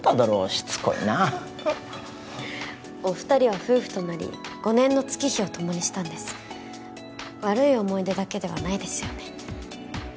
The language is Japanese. しつこいなお二人は夫婦となり５年の月日を共にしたんです悪い思い出だけではないですよね？